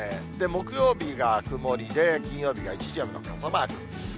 木曜日が曇りで、金曜日が一時雨の傘マーク。